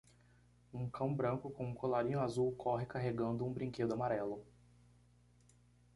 Um cão branco com um colarinho azul corre carregando um brinquedo amarelo.